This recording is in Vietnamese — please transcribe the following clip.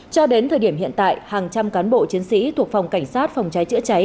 cho đến thời điểm hiện tại hàng trăm cán bộ chiến sĩ thuộc phòng cảnh sát phòng cháy chữa cháy